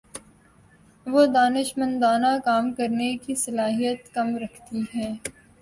وہ دانشمندانہ کام کرنے کی صلاحیت کم رکھتی ہیں